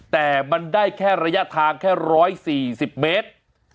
แต่มันได้แค่ระยะทางแค่๑๔๐เมตร